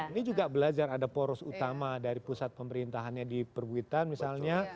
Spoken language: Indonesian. ini juga belajar ada poros utama dari pusat pemerintahannya di perbuitan misalnya